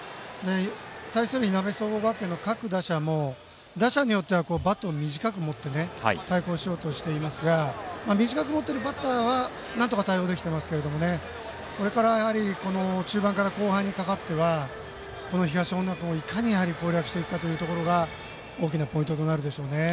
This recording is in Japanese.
対するいなべ総合学園の各打者も打者によってはバットを短く持って対抗しようとしていますが短く持っているバッターはなんとか対応できてますけどこれから中盤から後半にかけては東恩納君をいかに攻略していくかが大きなポイントとなるでしょうね。